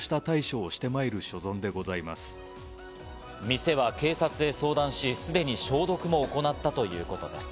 店は警察へ相談し、すでに消毒も行ったということです。